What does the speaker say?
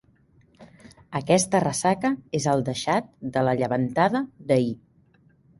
Aquesta ressaca és el deixat de la llevantada d'ahir.